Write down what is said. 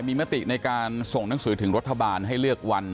มีมติในการส่งหนังสือถึงรัฐบาลให้เลือกวัน